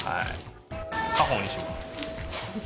家宝にします。